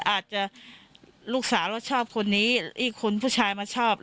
อาจจะลูกสาวเราชอบคนนี้อีกคนผู้ชายมาชอบ